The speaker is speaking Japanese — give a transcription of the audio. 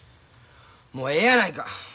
もうえやないか。